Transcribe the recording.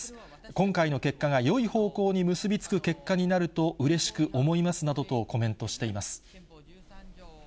今回の結果がよい方向に結び付く結果になるとうれしく思いますなどとコメントしています。